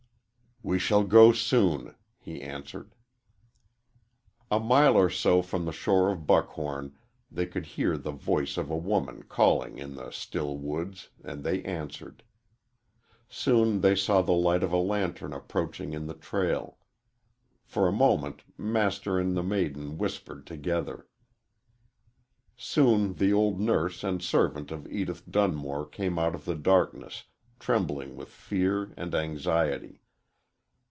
"We shall go soon," he answered. A mile or so from the shore of Buckhom they could hear the voice of a woman calling in the still woods, and they answered. Soon they saw the light of a lantern approaching in the trail. For a moment Master and the maiden whispered together. Soon the old nurse and servant of Edith Dun more came out of the darkness trembling with fear and anxiety.